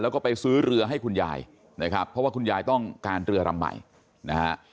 แล้วก็ไปซื้อเรือให้คุณยายนะครับเพราะว่าคุณยายต้องการเรือรำใหม่นะฮะ